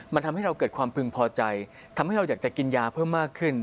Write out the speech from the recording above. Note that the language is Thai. มันทำให้เราเกิดความพึงพอใจทำให้เราอยากจะกินยาเพิ่มมากขึ้น